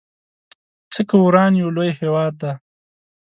څه که وران يو لوی هيواد دی